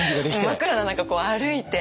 真っ暗な中こう歩いて。